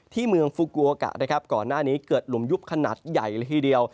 ที่เมืองฟูกูโอกะนะครับก่อนหน้านี้เกิดหลุมยุบขนาดใหญ่เลยทีเดียว